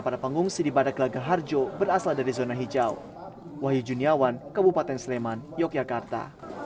para pengungsi di badak laga harjo berasal dari zona hijau wahyu juniawan kabupaten sleman yogyakarta